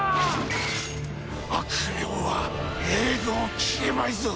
悪名は永劫消えまいぞ。